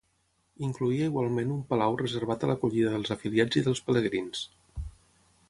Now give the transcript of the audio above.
Incloïa igualment un palau reservat a l'acollida dels afiliats i dels pelegrins.